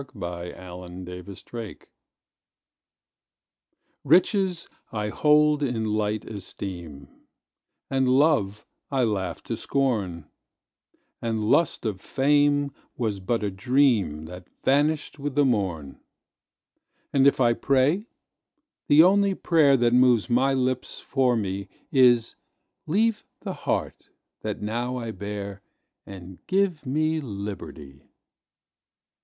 Emily Brontë The Old Stoic RICHES I hold in light esteem And Love I laugh to scorn And Lust of Fame was but a dream That vanished with the morn And if I pray the only prayer Is 'Leave the heart that now I bear And give me liberty.'